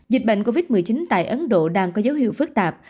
dịch bệnh covid một mươi chín tại ấn độ đang có dấu hiệu phức tạp